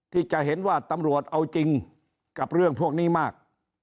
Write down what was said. ที่จะเห็นว่าตำรวจเอาจริงกับเรื่องพวกนี้มาก